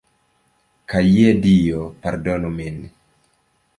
Kaj, je dio, pardonu min.